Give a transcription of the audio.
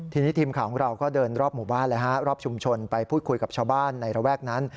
ทีนี้ทีมข่าวของเราก็เดินรอบหมู่บ้านเลยฮะรอบชุมชนไปพูดคุยกับชาวบ้านในระแวกนั้น